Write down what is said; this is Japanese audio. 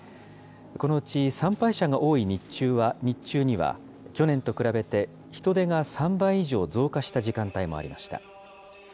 このうち参拝者が多い日中には去年と比べて人出が３倍以上増加した時間帯もありました。